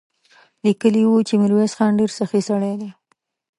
ليکلي يې و چې ميرويس خان ډېر سخي سړی دی.